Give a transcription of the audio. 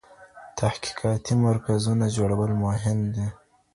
د تحقیقاتي مرکزونو جوړول مهم دي.